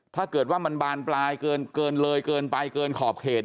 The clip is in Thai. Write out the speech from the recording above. ถ้าเกิดว่ามันบานปลายเกินเลยเกินไปเกินขอบเขต